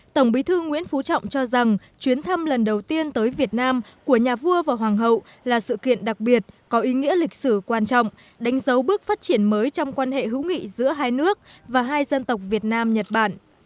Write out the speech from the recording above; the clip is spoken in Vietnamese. tổng bí thư nguyễn phú trọng cho rằng chuyến thăm lần đầu tiên tới việt nam của nhà vua và hoàng hậu là sự kiện đặc biệt có ý nghĩa lịch sử quan trọng đánh dấu bước phát triển mới trong quan hệ hữu nghị giữa hai nước và hai dân tộc việt nam nhật bản